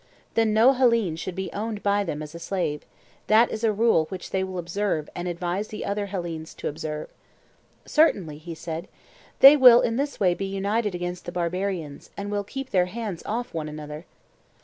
Then no Hellene should be owned by them as a slave; that is a rule which they will observe and advise the other Hellenes to observe. Certainly, he said; they will in this way be united against the barbarians and will keep their hands off one another.